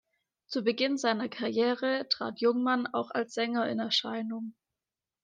Zu Beginn seiner Karriere trat Jungmann auch als Sänger in Erscheinung.